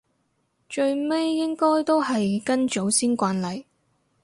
最尾應該都係跟祖先慣例